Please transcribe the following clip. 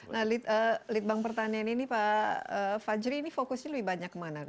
nah litbang pertanian ini pak fajri ini fokusnya lebih banyak kemana